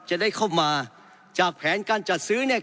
จะได้เข้ามาจากแผนการจัดซื้อเนี่ย